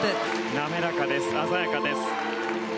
滑らかです、鮮やかです。